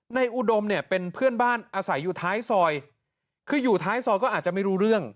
อุดมเนี่ยเป็นเพื่อนบ้านอาศัยอยู่ท้ายซอยคืออยู่ท้ายซอยก็อาจจะไม่รู้เรื่อง